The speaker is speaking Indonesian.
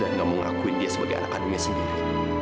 dan tidak mau mengakuin dia sebagai anak adunya sendiri